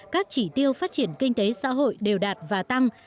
các chỉ tiêu phát triển kinh tế xã hội đều đạt và tăng